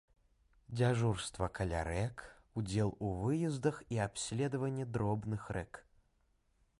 Дзяжурства каля рэк, удзел у выездах і абследаванне дробных рэк.